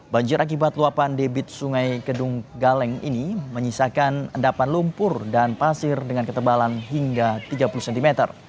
banjir akibat luapan debit sungai kedung galeng ini menyisakan endapan lumpur dan pasir dengan ketebalan hingga tiga puluh cm